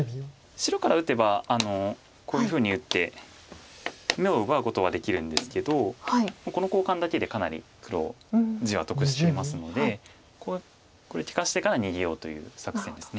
白から打てばこういうふうに打って眼を奪うことはできるんですけどこの交換だけでかなり黒地は得していますのでこれ利かしてから逃げようという作戦です。